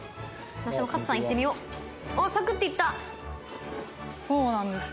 私もカツさんいってみようサクッていったそうなんですよ